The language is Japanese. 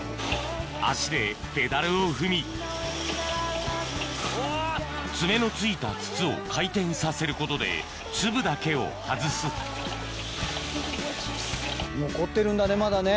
足でペダルを踏み爪のついた筒を回転させることで粒だけを外す残ってるんだねまだね。